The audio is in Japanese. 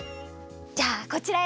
じゃあこちらへどうぞ！